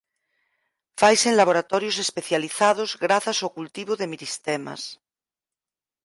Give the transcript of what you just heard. Faise en laboratorios especializados grazas ao cultivo de meristemas.